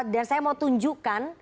dan saya mau tunjukkan